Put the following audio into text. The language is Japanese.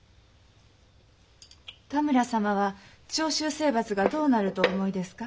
多村様は長州征伐がどうなるとお思いですか？